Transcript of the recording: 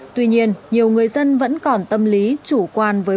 tuy nhiên nhiều người dân vẫn còn tâm lý chủ quan với bệnh